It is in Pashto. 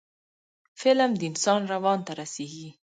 فلم د انسان روان ته رسیږي